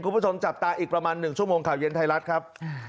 คุณผู้ชมจับตาอีกประมาณ๑ชั่วโมงข่าวเย็นไทยรัฐครับ